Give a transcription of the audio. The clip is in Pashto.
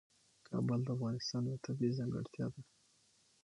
کابل د افغانستان یوه طبیعي ځانګړتیا ده.